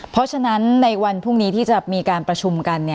เพราะฉะนั้นในวันพรุ่งนี้ที่จะมีการประชุมกัน